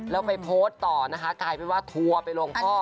แล้วไปโพสต์ต่อนะคะกลายเป็นว่าทัวร์ไปลงพ่อ